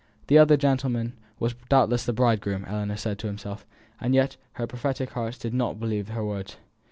The other gentleman was doubtless the bridegroom, Ellinor said to herself; and yet her prophetic heart did not believe her words.